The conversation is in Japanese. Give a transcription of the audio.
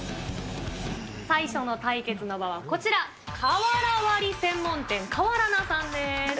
最初の対決の場はこちら、瓦割り専門店、カワラナさんです。